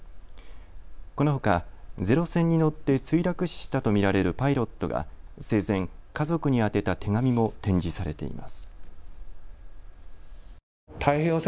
このほか、ゼロ戦に乗って墜落死したと見られるパイロットが生前家族に宛てた手紙も展示されています。